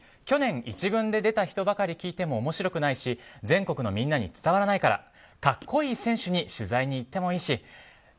去年１軍に出た人ばかり聞いてもおもしろくないし全国のみんなに伝わらないから格好いい選手に取材に行ってもいいし。